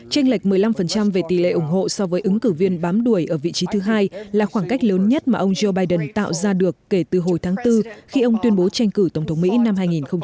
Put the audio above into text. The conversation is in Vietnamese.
tranh lệch một mươi năm về tỷ lệ ủng hộ so với ứng cử viên bám đuổi ở vị trí thứ hai là khoảng cách lớn nhất mà ông joe biden tạo ra được kể từ hồi tháng bốn khi ông tuyên bố tranh cử tổng thống mỹ năm hai nghìn một mươi chín